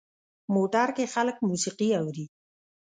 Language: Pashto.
موټر کې خلک موسیقي اوري.